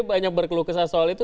banyak berkeluh kesal soal itu